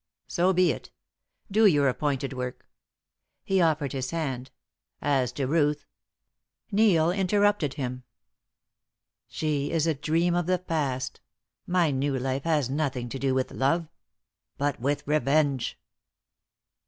So be it. Do your appointed work." He offered his hand. "As to Ruth " Neil interrupted him. "She is a dream of the past. My new life has nothing to do with love but with revenge."